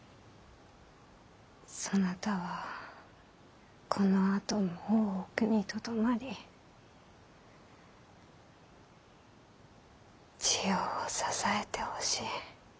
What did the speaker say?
そなたはこのあとも大奥にとどまり千代を支えてほしい。